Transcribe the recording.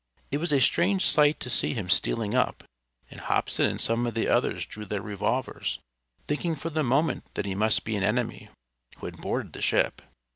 It was a strange sight to see him stealing up, and Hobson and some of the others drew their revolvers, thinking for the moment that he must be an enemy who had boarded the ship.